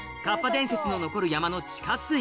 伝説の残る山の地下水